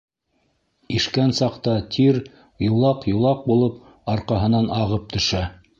Ишкән саҡта тир юлаҡ-юлаҡ булып арҡаһынан ағып төшә.